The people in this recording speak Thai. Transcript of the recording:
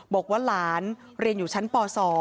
บอกว่าหลานเรียนอยู่ชั้นป๒